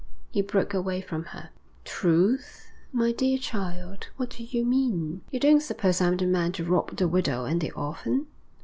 He broke away from her. 'Truth? My dear child, what do you mean? You don't suppose I'm the man to rob the widow and the orphan?